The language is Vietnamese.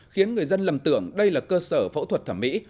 khiến người dân lầm tưởng đây là cơ sở phẫu thuật thẩm mỹ